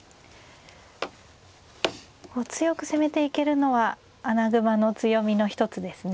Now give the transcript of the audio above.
強く攻めていけるのは穴熊の強みの一つですね。